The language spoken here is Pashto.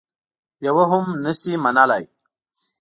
یوه هم نه شي منلای.